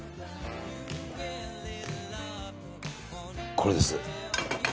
これです。